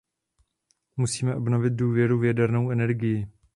Musíme obnovit důvěru v jadernou energii.